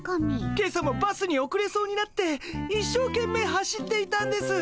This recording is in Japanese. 今朝もバスにおくれそうになって一生懸命走っていたんです。